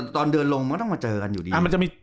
ตอนเดินลงมันต้องมาเจอกันอยู่ดี